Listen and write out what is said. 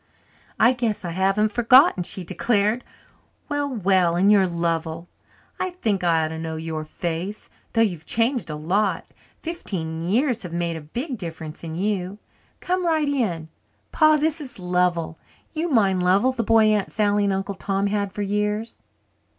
"I guess I haven't forgotten!" she declared. "Well, well, and you're Lovell! I think I ought to know your face, though you've changed a lot. Fifteen years have made a big difference in you. Come right in. Pa, this is Lovell you mind Lovell, the boy Aunt Sally and Uncle Tom had for years?"